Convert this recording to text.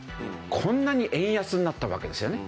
こんなに円安になったわけですよね。